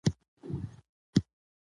که وړۍ وي نو نانځکه نه لڅیږي.